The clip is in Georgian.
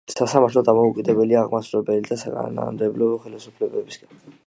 სასამართლო დამოუკიდებელია აღმასრულებელი და საკანონმდებლო ხელისუფლებებისგან.